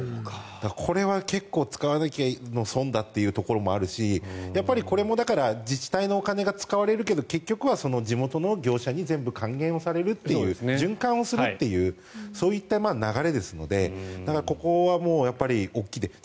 これは結構使わないと損だというところもあるしこれも自治体のお金が使われるけど結局は地元の業者に全部還元されるという循環をするというそういった流れですのでだから、ここは大きいです。